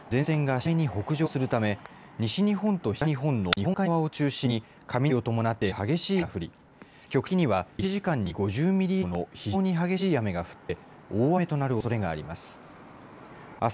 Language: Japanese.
これからあすにかけては、前線が次第に北上するため、西日本と東日本の日本海側を中心に、雷を伴って激しい雨が降り、局地的には１時間に５０ミリ以上の非常に激しい雨が降って、大雨となるおそれがあります。